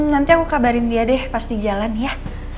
nanti aku kabarin dia deh pas di jalan ya